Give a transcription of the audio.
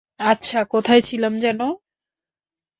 আচ্ছা, কোথায় ছিলাম যেন?